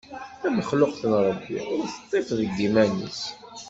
Tamexluqt n Ṛebbi, ur teṭṭif deg yiman-is.